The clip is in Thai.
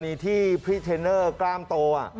มีที่พรีเทนเนอร์กล้ามโต